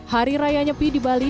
hari raya nyepi di bali